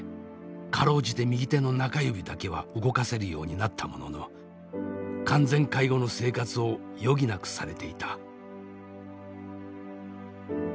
辛うじて右手の中指だけは動かせるようになったものの完全介護の生活を余儀なくされていた。